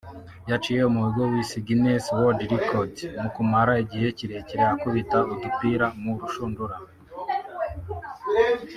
yaciye umuhigo w'isi 'Guinness World Record' mu kumara igihe kirekire akubita udupira mu rushundura